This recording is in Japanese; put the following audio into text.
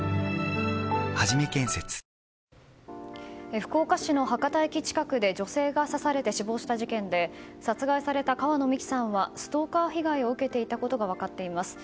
福岡市の博多駅近くで女性が刺されて死亡した事件で殺害された川野美樹さんはストーカー被害を受けていたことが分かっています。